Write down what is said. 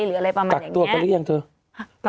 หรืออะไรประมาณอย่างนี้พี่บ๊วยหรืออะไรหรืออะไรประมาณอย่างนี้